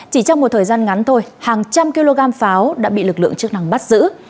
chỉ trong một thời gian ngắn thôi hàng trăm kg pháo đã bị lực lượng chức năng bắt giữ